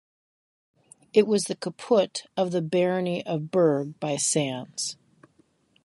It was the caput of the barony of Burgh by Sands.